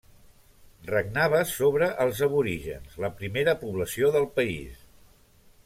Regnava sobre els aborígens, la primera població del país.